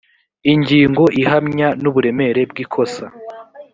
ingingo ihamya n’ uburemere bw’ ikosa